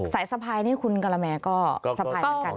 สะพายนี่คุณกะละแมก็สะพายเหมือนกันนะ